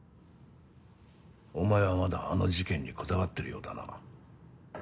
お前はまだあの事件にこだわってるようだな。